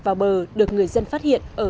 vào bờ được người dân phát hiện ở